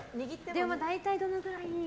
でも大体どのくらい？